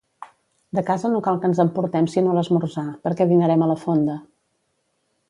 De casa no cal que ens emportem sinó l'esmorzar, perquè dinarem a la fonda.